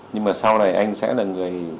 nhưng mà sau này anh sẽ là người